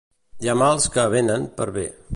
Hi ha mals que venen per bé.